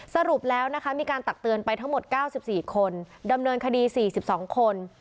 สรุปแล้วนะคะมีการตักเตือนไปทั้งหมด๙๔คนดำเนินคดี๔๒คน